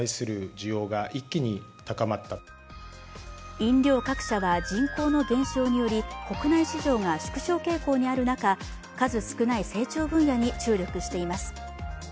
飲料各社は人口の減少により国内市場が縮小傾向にある中、数少ない成長分野に注力しています。